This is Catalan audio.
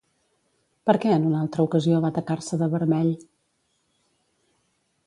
Per què en una altra ocasió va tacar-se de vermell?